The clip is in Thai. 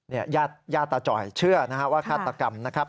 เนี่ยญาติตาจอยเชื่อว่าคาดตะกรรมนะครับ